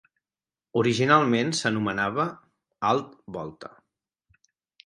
Originalment s'anomenava Alt Volta.